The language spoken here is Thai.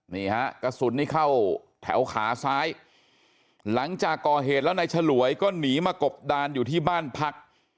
นี่ฮะกระสุนนี้เข้าแถวขาซ้ายหลังจากก่อเหตุแล้วนายฉลวยก็หนีมากบดานอยู่ที่บ้านพัก